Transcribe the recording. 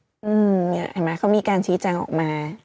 อืมเห็นมั้ยเขามีการชี้แจ้งออกมา